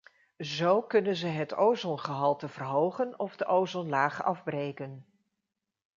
Zo kunnen ze het ozongehalte verhogen of de ozonlaag afbreken.